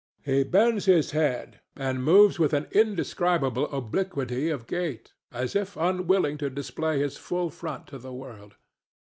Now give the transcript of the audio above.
He bends his head and moves with an indescribable obliquity of gait, as if unwilling to display his full front to the world.